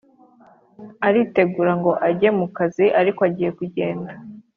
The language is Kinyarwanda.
aritegura ngo ajye mukazi ariko agiye kugenda